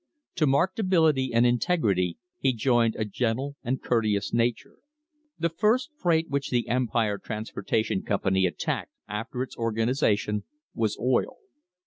To marked ability and integrity he joined a gentle and courteous nature. The first freight which the Empire Transportation Com pany attacked after its organisation was oil.